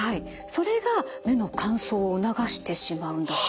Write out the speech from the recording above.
それが目の乾燥を促してしまうんだそうです。